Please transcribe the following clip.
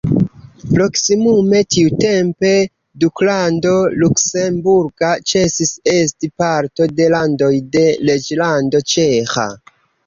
Proksimume tiutempe Duklando luksemburga ĉesis esti parto de landoj de Reĝlando ĉeĥa.